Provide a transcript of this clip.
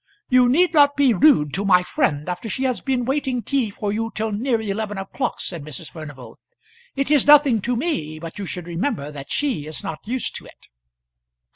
"You need not be rude to my friend after she has been waiting tea for you till near eleven o'clock," said Mrs. Furnival. "It is nothing to me, but you should remember that she is not used to it."